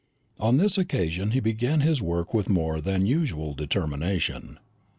On this occasion he began his work with more than usual determination.